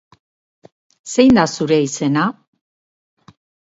Zein da zure izena?